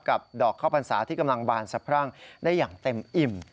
ดอกข้าวพรรษาที่กำลังบานสะพรั่งได้อย่างเต็มอิ่ม